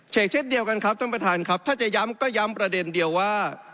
เช่นเดียวกันครับท่านประธานครับถ้าจะย้ำก็ย้ำประเด็นเดียวว่า